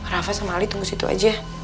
rafa sama ali tunggu situ aja